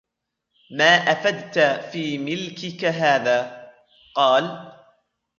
مَا أَفَدْت فِي مِلْكِك هَذَا ؟ قَالَ